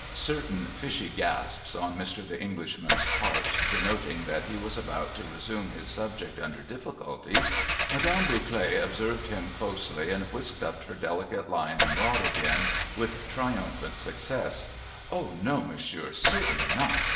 Certain fishy gasps on Mr. The Englishman's ])art, denoting that he was about to resume his subject under ditificulties, Madame Bouclet observed him closely, and whisked up her delicate line and rod again with triumphant success. ' O no, monsieur, certainly not.